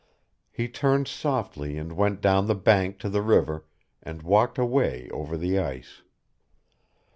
He turned softly and went down the bank to the river and walked away over the ice.